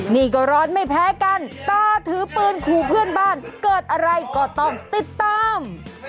นี่ก็ร้อนไม่แพ้กันตาถือปืนขู่เพื่อนบ้านเกิดอะไรก็ต้องติดตาม